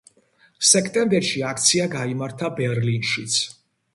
სექტემბერში აქცია გაიმართა, ბერლინშიც.